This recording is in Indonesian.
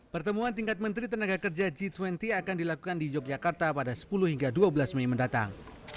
pertemuan tingkat menteri tenaga kerja g dua puluh akan dilakukan di yogyakarta pada sepuluh hingga dua belas mei mendatang